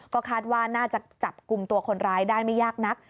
ก็คาดว่าน่าจะจับกลุ่มตัวคนร้ายได้ไม่ยากนัก